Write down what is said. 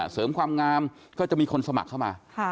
เสริมความงามก็จะมีคนสมัครเข้ามา